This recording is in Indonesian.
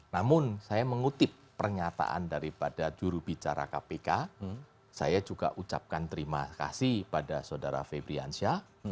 namun saya mengutip pernyataan daripada jurubicara kpk saya juga ucapkan terima kasih pada saudara febriansyah